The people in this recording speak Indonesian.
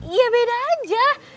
iya beda aja